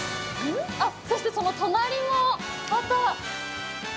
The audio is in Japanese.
そして、その隣もまた。